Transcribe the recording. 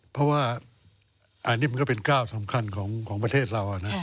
เพราะว่าอันนี้มันก็เป็นก้าวสำคัญของประเทศเรานะ